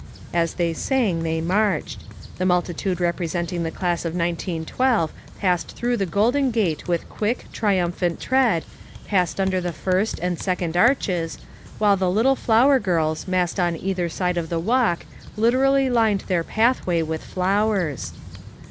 As they sang, they marched. The multitude representing the 282 FOUR MOTHERS AT CHAUTAUQUA class of 1912 passed through the golden gate with quick, triumphant tread, passed under the first and second arches, while the little flower girls, massed on either side the walk, literally lined their pathway with flowers.